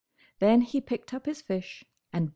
Then he picked up his fish, and bolted.